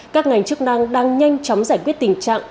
các ngành chức năng đang nhanh chóng giải quyết tình trạng